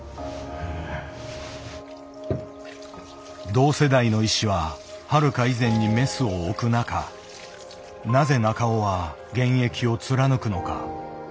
同世代の医師ははるか以前にメスを置く中なぜ中尾は現役を貫くのか。